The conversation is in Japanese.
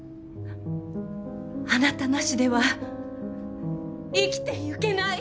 あなたなしでは生きていけない！